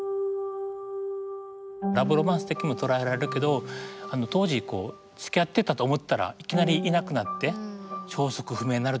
ラブロマンス的にも捉えられるけど当時つきあってたと思ったらいきなりいなくなって消息不明になるとかですね